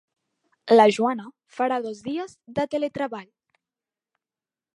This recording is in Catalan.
La Joana farà dos dies de teletreball.